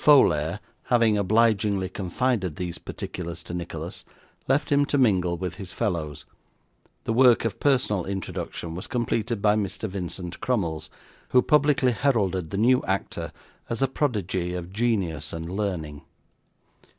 Folair having obligingly confided these particulars to Nicholas, left him to mingle with his fellows; the work of personal introduction was completed by Mr. Vincent Crummles, who publicly heralded the new actor as a prodigy of genius and learning.